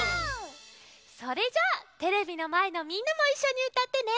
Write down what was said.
それじゃあテレビのまえのみんなもいっしょにうたってね。